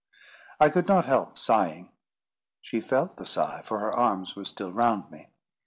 I could not help sighing. She felt the sigh, for her arms were still round me.